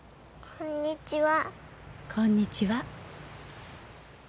こんにちは。